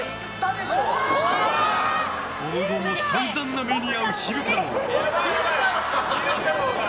その後も散々な目に遭う昼太郎。